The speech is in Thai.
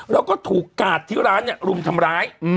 แล้วก็ถูกกาดที่ร้านรุมทำร้าย